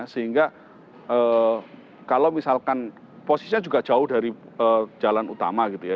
sehingga kalau misalkan posisinya juga jauh dari jalan utama gitu ya